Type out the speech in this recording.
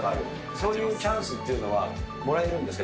そういうチャンスっていうのは、もらえるんですか？